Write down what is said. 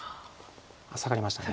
サガりましたね。